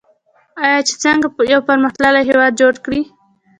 آیا چې څنګه یو پرمختللی هیواد جوړ کړي؟